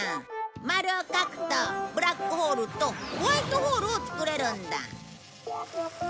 丸を描くとブラックホールとホワイトホールを作れるんだ。